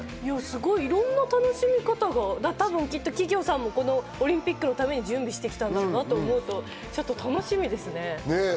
いろんな楽しみ方が、企業さんもこのオリンピックのために準備してきたんだろうなと思うと楽しみですね。